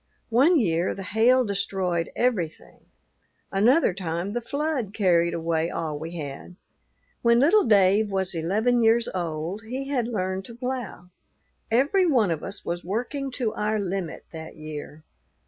One year the hail destroyed everything; another time the flood carried away all we had. "When little Dave was eleven years old, he had learned to plough. Every one of us was working to our limit that year.